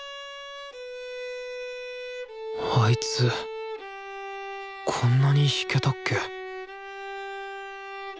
あいつこんなに弾けたっけ？